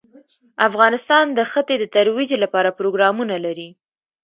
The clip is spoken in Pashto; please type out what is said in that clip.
افغانستان د ښتې د ترویج لپاره پروګرامونه لري.